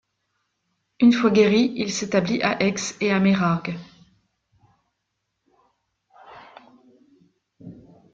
Une fois guéri, il s'établit à Aix et à Meyrargues.